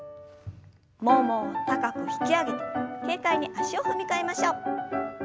ももを高く引き上げて軽快に足を踏み替えましょう。